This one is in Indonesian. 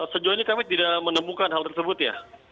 sejujurnya kami tidak menemukan hal tersebut ya